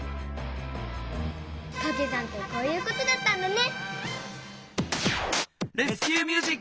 かけ算ってこういうことだったんだね！